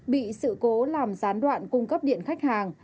bị sự cố làm gián đoạn cung cấp điện khách hàng